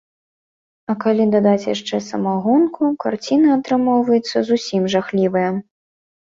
А калі дадаць яшчэ самагонку, карціна атрымоўваецца зусім жахлівая.